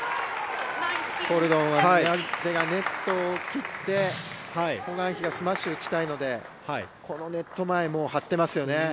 コルドンはネットを切ってホ・グァンヒがスマッシュを打ちたいのでこのネット前もう張ってますよね。